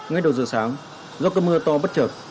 ngay đầu giờ sáng do cơn mưa to bất chợt